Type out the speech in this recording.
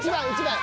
１番。